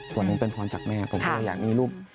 ส่วนหนึ่งเป็นพรจากแม่ผมก็เลยอยากมีลูก